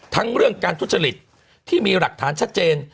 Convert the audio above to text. เรื่องการทุจริตที่มีหลักฐานชัดเจน